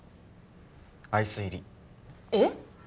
アイス入りえっ！？